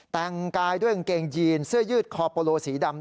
แต่งกายด้วยกางเกงยีนเสื้อยืดคอโปโลสีดำ